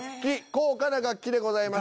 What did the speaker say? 「高価な楽器」でございます。